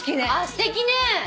すてきね！